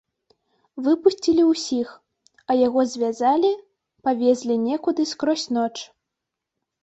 Выпусцілі ўсіх, а яго звязалі, павезлі некуды скрозь ноч.